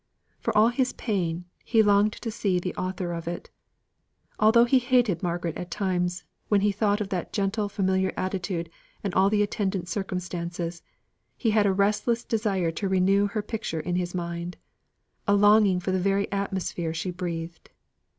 For all his pain, he longed to see the author of it. Although he hated Margaret at times, when he thought of that gentle, familiar attitude and all the attendant circumstances, he had a restless desire to renew her picture in his mind a longing for the very atmosphere she breathed.